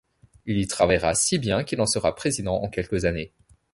Il y travaillera si bien qu´il en sera président en quelques années.